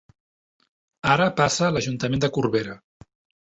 Ara passa l'Ajuntament de Corbera.